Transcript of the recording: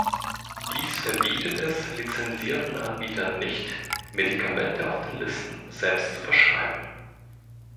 Dies verbietet es lizensierten Anbietern nicht, Medikamente auf den Listen selbst zu verschreiben.